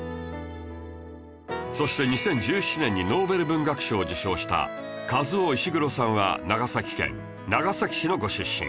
そして２０１７年にノーベル文学賞を受賞したカズオ・イシグロさんは長崎県長崎市のご出身